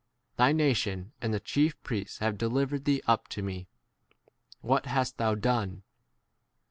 Thy nation and the chief priests have delivered thee up to me : what hast thou 36 done